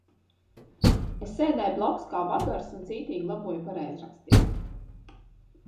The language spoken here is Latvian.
Es sēdēju blakus kā vagars un cītīgi laboju pareizrakstību.